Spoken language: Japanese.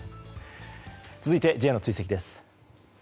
続いてＪの追跡です。